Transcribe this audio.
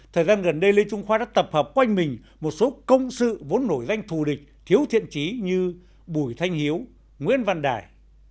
thời gian gần đây lê trung khoa đã tập hợp quanh mình một số công sự vốn nổi danh thù địch thiếu thiện trí như bùi thanh hiếu nguyễn văn đài